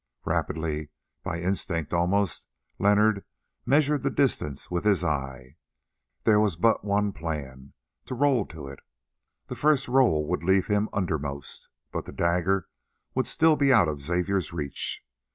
Rapidly, by instinct almost, Leonard measured the distance with his eye. There was but one plan, to roll to it. The first roll would leave him undermost, but the dagger would still be out of Xavier's reach.